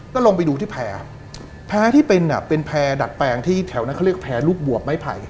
ก็ลงไปดูที่แพร่แพ้ที่เป็นแพร่ดัดแปลงที่แถวนั้นเขาเรียกแพรลูกบวบไม้ไผ่